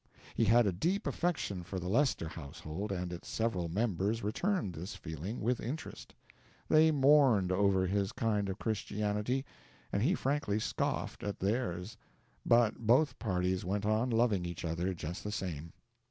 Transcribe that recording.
He had a deep affection for the Lester household and its several members returned this feeling with interest. They mourned over his kind of Christianity, and he frankly scoffed at theirs; but both parties went on loving each other just the same.